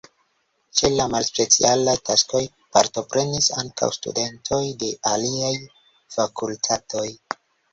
Ĉe la malspecialaj taskoj partoprenis ankaŭ studentoj de aliaj fakultatoj.